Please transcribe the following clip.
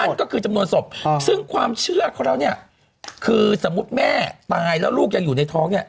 นั่นก็คือจำนวนศพซึ่งความเชื่อเขาแล้วเนี่ยคือสมมุติแม่ตายแล้วลูกยังอยู่ในท้องเนี่ย